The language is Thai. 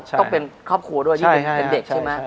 ต้องเป็นครอบครัวด้วยที่เป็นเด็กใช่ไหม